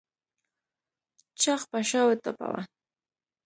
چاغ په شا وټپوه.